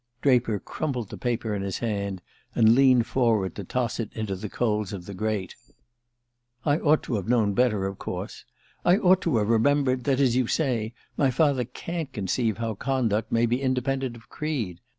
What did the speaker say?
Draper crumpled the paper in his hand, and leaned forward to toss it into the coals of the grate. "I ought to have known better, of course. I ought to have remembered that, as you say, my father can't conceive how conduct may be independent of creed.